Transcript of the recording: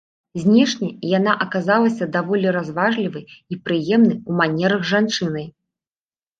Знешне яна аказалася даволі разважлівай і прыемнай у манерах жанчынай.